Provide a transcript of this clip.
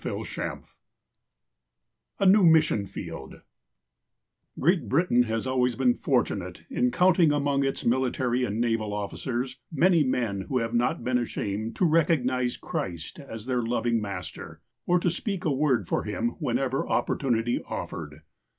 IV A NEW MISSION FIELD GEEAT BEITAIN has always been fortiiuate in counting among its military and naval officers many men who have not been ashamed to recog nize Christ as their loving Master, or to speak a word for Him whenever opportunity offered.